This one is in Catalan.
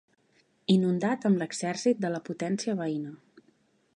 Inundat amb l'exèrcit de la potència veïna.